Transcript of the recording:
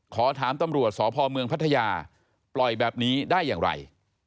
ขอถามตำรวจสพเมืองพัทยาปล่อยแบบนี้ได้อย่างไร